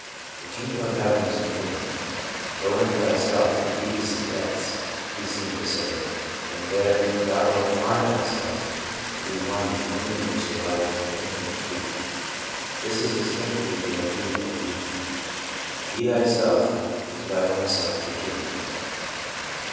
' The kingdom of heaven is within you/ Go into thyself, the deepest of depths, He seemed to say, and there thou wilt find thyself to be one with universal life and infinite truth. This is distinctively the ideal of youth — Be thyself, anjd to thine own self be true.